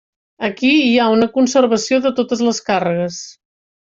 Aquí hi ha una conservació de totes les càrregues.